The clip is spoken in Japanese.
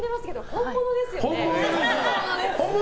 本物ですよ。